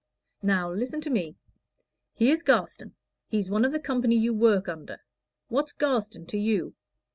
"Now, listen to me. Here's Garstin: he's one of the company you work under. What's Garstin to you?